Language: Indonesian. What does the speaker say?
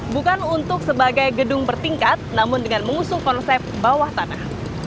bukan untuk sebagai gedung bertingkat namun dengan mengusung konsep bawah tanah